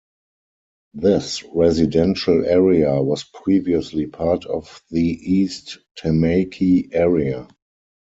This residential area was previously part of the East Tamaki area.